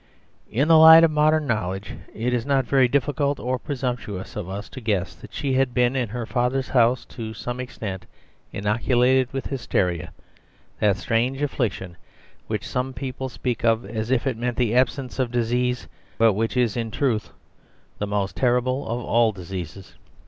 In the light of modern knowledge it is not very difficult or very presumptuous, of us to guess that she had been in her father's house to some extent inoculated with hysteria, that strange affliction which some people speak of as if it meant the absence of disease, but which is in truth the most terrible of all diseases.